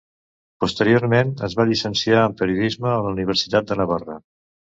Posteriorment es va llicenciar en periodisme a la Universitat de Navarra.